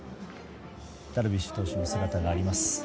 ダルビッシュ投手の姿があります。